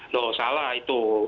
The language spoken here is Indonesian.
tidak salah itu